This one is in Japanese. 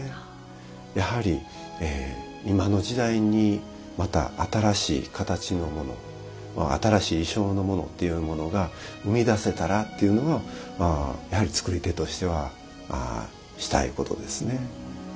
やはり今の時代にまた新しい形のもの新しい意匠のものっていうものが生み出せたらっていうのはやはり作り手としてはしたいことですね。